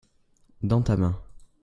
dans ta main.